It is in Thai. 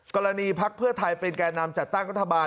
พักเพื่อไทยเป็นแก่นำจัดตั้งรัฐบาล